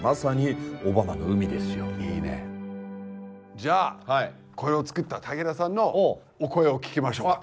じゃあこれを作った竹田さんのお声を聞きましょうか。